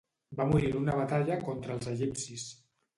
Va morir en una batalla contra els egipcis.